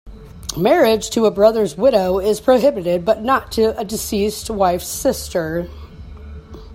Marriage to a brother's widow is prohibited, but not to a deceased wife's sister.